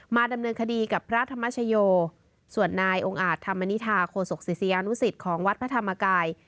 ดำเนินคดีกับพระธรรมชโยส่วนนายองค์อาจธรรมนิษฐาโคศกศิษยานุสิตของวัดพระธรรมกาย